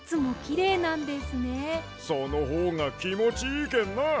そのほうがきもちいいけんな！